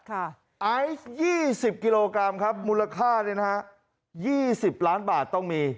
ไอซ์๒๐กิโลกรัมครับมูลค่า๒๐ล้านบาทต้องมี